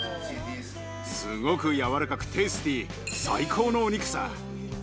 すごく柔らかくテイスティー、最高のお肉さ。